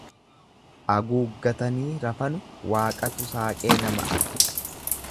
Aguuggatanii rafanu Waaqatu saaqee nama arga.